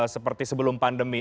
seperti sebelum pandemi